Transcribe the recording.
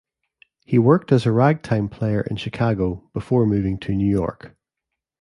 He worked as a ragtime player in Chicago before moving to New York.